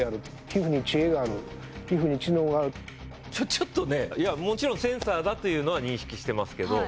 ちょっとねもちろんセンサーだというのは認識していますけど。